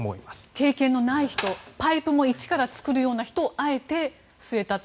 経験のない人パイプも１から作る人をあえて据えたと。